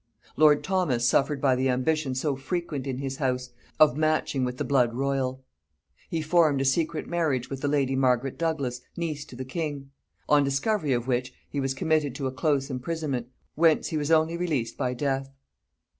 Lord Thomas suffered by the ambition so frequent in his house, of matching with the blood royal. He formed a secret marriage with the lady Margaret Douglas, niece to the king; on discovery of which, he was committed to a close imprisonment, whence he was only released by death.